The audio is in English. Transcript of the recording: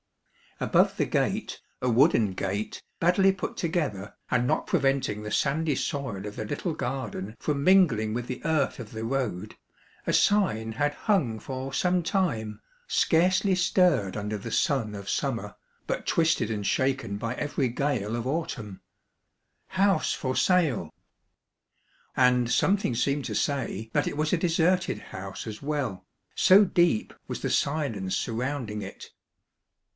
Above the gate, a wooden gate, badly put together, and not preventing the sandy soil of the little garden from mingling with the earth of the road, a sign had hung for some time, scarcely stirred under the sun of summer, but twisted and shaken by every gale of autumn : House for Sale ! And something seemed to say that it was a deserted house as well, so deep was the silence surround ing it.